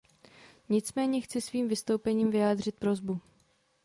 Nicméně chci svým vystoupením vyjádřit prosbu.